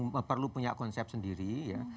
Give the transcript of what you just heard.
memperlu punya konsep sendiri ya